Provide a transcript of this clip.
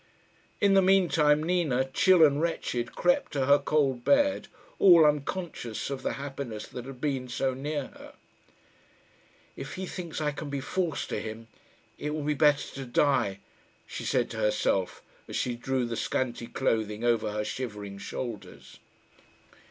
In the mean time Nina, chill and wretched, crept to her cold bed, all unconscious of the happiness that had been so near her. "If he thinks I can be false to him, it will be better to die," she said to herself, as she drew the scanty clothing over her shivering shoulders.